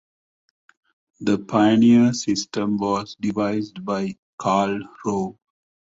The Pioneer system was devised by Karl Rove.